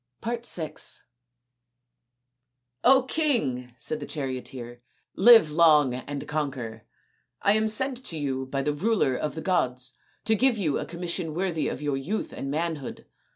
VI " King," said the charioteer, " live long and conquer. I am sent to you by the ruler of the gods to give you a commission worthy of your youth and manhood.